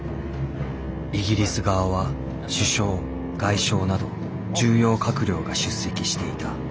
イギリス側は首相外相など重要閣僚が出席していた。